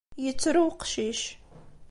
Yettru uqcic.